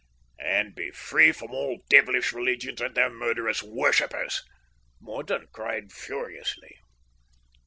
"And be free from all devilish religions and their murderous worshippers!" Mordaunt cried furiously.